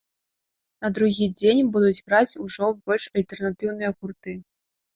А на другі дзень будуць граць ужо больш альтэрнатыўныя гурты.